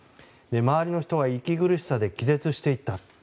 周りの人は息苦しさで気絶していった。